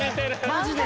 マジで。